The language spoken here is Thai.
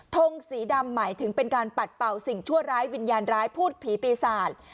ทงสีดำหมายถึงเป็นการปัดเป่าสิ่งชั่วร้ายวิญญาณร้ายพูดผีปีศาจ